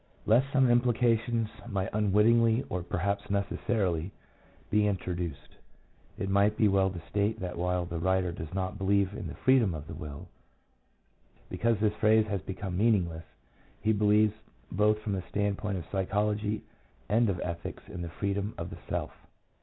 Lest some implications might unwittingly, or perhaps necessarily, be in troduced, it might be well to state that while the writer does not believe in the " freedom of the will," because this phrase has become meaningless, he believes both from the standpoint of psychology and of ethics in the "freedom of the self."